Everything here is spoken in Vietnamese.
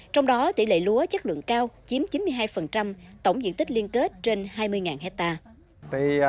trong đó tỷ lệ lúa chất lượng cao chiếm chín mươi hai tổng diện tích liên kết trên hai mươi hectare